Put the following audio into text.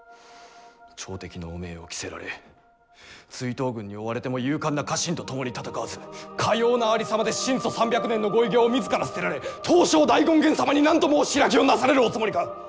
朝敵の汚名を着せられ追討軍に追われても勇敢な家臣と共に戦わずかようなありさまで神祖三百年のご偉業を自ら捨てられ東照大権現様に何と申し開きをなされるおつもりか！」。